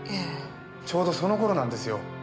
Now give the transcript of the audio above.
ちょうどその頃なんですよ。